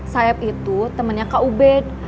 saeb itu temennya kak ubed